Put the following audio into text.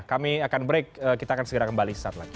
kami akan break kita akan segera kembali saat lagi